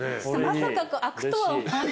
まさか開くとは。